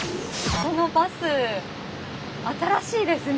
このバス新しいですね。